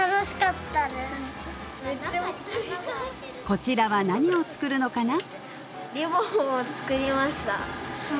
こちらは何を作るのかな？